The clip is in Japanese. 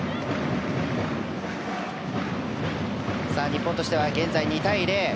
日本としては現在２対０。